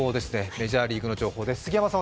メジャーリーグの情報です。